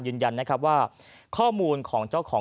ยืนยันว่าข้อมูลของเจ้าของ